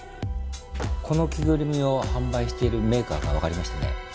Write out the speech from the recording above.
この着ぐるみを販売しているメーカーがわかりましてね